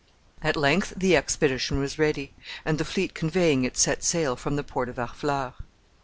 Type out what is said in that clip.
At length the expedition was ready, and the fleet conveying it set sail from the port of Harfleur.